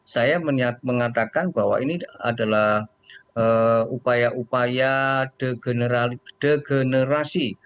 saya mengatakan bahwa ini adalah upaya upaya degenerasi